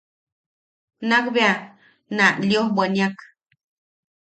Nakbea na liojbwaniak.